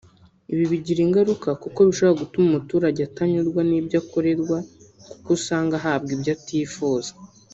Ibi bigira ingaruka kuko bishobora gutuma umuturage atanyurwa n’ibyo akorerwa kuko usanga ahabwa ibyo atifuza